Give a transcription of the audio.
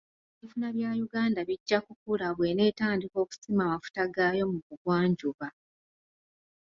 Ebyenfuna bya Uganda bijja kukula bw'enaatandika okusima amafuta gaayo mu bugwanjuba.